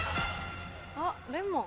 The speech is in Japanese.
あっレモン。